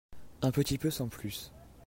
Un petit peu sans plus.